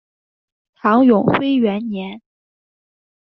唐永徽元年。